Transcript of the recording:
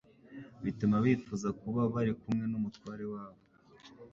bituma bifuza kuba bari kumwe n'Umutware wabo.